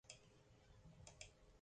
Jo eta ke zurekin egon nahi zutela.